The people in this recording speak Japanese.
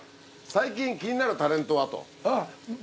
「最近気になるタレントは？」と。